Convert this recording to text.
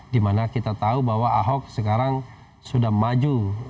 di mana kita tahu bahwa ahok sekarang sudah maju